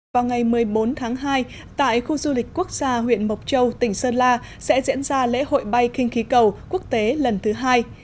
vào ngày một mươi bốn tháng hai tại khu du lịch quốc gia huyện mộc châu tỉnh sơn la sẽ diễn ra lễ hội bay kinh khí cầu quốc tế lần thứ hai